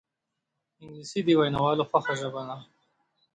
انګلیسي د ویناوالو خوښه ژبه ده